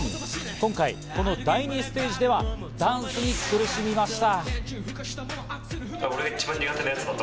今回この第２ステージではダンスに苦しみました。